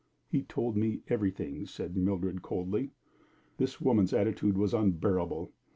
"He told me everything," said Mildred, coldly. This woman's attitude was unbearable.